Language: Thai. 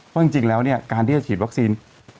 เพราะจริงแล้วเนี่ยการที่จะฉีดวัคซีน